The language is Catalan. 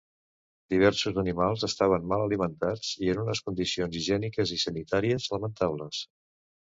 Diversos animals estaven mal alimentats i en unes condicions higièniques i sanitàries lamentables.